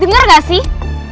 dengar gak sih